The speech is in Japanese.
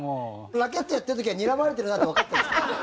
ラケットやってる時はにらまれてるなってわかってるんですか？